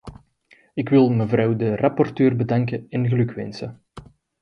Ik wil mevrouw de rapporteur bedanken en gelukwensen.